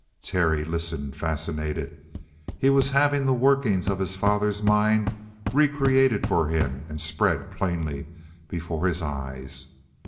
Terry listened, fascinated. He was having the workings of his father's mind re created for him and spread plainly before his eyes.